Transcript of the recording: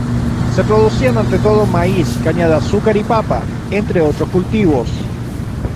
Se producían ante todo maíz, caña de azúcar y papa, entre otros cultivos.